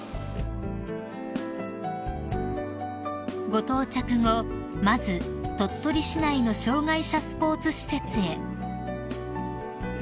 ［ご到着後まず鳥取市内の障がい者スポーツ施設へ］